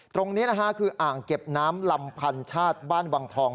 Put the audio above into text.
ตรงนี้นะฮะคืออ่างเก็บน้ำลำพันชาติบ้านวังทอง